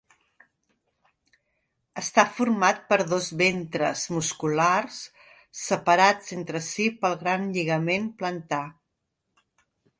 Està format per dos ventres musculars separats entre si pel gran lligament plantar.